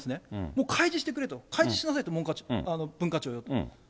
もう開示してくれと、開示しなさいと、文化庁に。